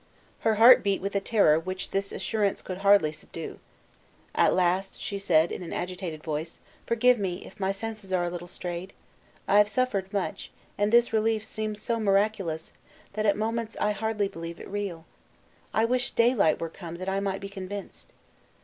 Her heart beat with a terror which this assurance could hardly subdue. At last she said in an agitated voice, "Forgive me if my senses are a little strayed! I have suffered so much, and this release seems so miraculous, that at moments I hardly believe it real. I wish daylight were come that I might be convinced."